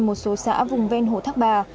một số xã vùng ven hồ thác bà